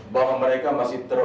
bahwa mereka masih terpaksa